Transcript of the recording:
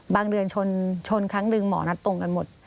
เดือนชนครั้งหนึ่งหมอนัดตรงกันหมด